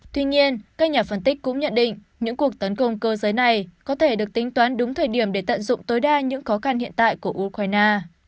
tuy nhiên các nhà phân tích cũng nhận định những cuộc tấn công cơ giới này có thể được tính toán đúng thời điểm để tận dụng tối đa những khó khăn hiện tại của ukraine